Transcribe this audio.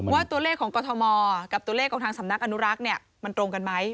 ว่าตัวเลขของกรทมกับตัวเลขของทางสำนักอนุรักษ์มันตรงกันไหม